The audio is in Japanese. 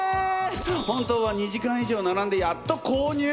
本当は２時間以上並んでやっと購入！